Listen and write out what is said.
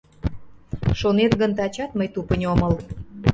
Шонет гын, тачат мый тупынь омыл.